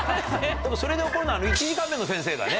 でもそれで怒るのは、１時間目の先生だね。